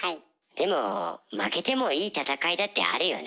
でも負けてもいい戦いだってあるよな。